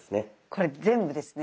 これ全部ですね